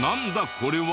これは！